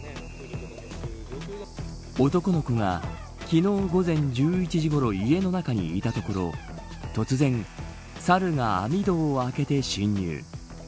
男の子が昨日、午前１１時ごろ家の中にいたところ突然、サルが網戸を開けて侵入。